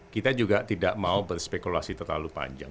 kita juga tidak mau berspekulasi terlalu panjang